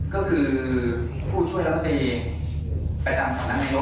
ก็คือผู้ช่วยรัฐนาตรีประจำของนักนิยมรัฐนาตรี